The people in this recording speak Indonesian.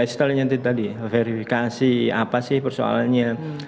setelah yang tadi verifikasi apa sih persoalannya